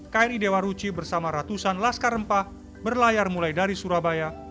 kri dewa ruci bersama ratusan laskar rempah berlayar mulai dari surabaya